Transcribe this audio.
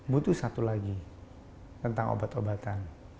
butuh satu lagi tentang obat obatan